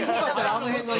あの辺のね。